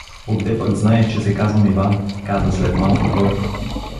— Отде пък знаеш, че се казвам Иван — каза след малко той.